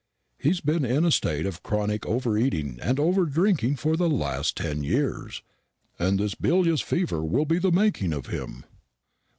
He's been in a state of chronic over eating and over drinking for the last ten years, and this bilious fever will be the making of him."